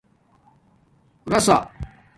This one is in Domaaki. رسݳ